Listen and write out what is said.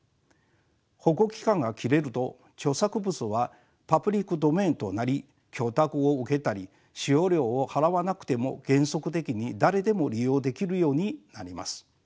保護期間が切れると著作物はパブリック・ドメインとなり許諾を受けたり使用料を払わなくても原則的に誰でも利用できるようになります。